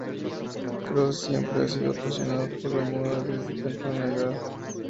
Kors siempre ha sido apasionado por la moda desde temprana edad.